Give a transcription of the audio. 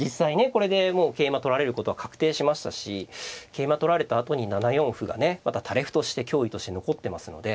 これでもう桂馬取られることは確定しましたし桂馬取られたあとに７四歩がねまた垂れ歩として脅威として残ってますので。